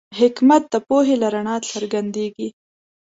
حکمت د پوهې له رڼا څرګندېږي.